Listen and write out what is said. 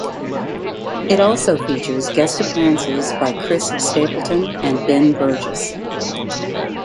It also features guest appearances by Chris Stapleton and Ben Burgess.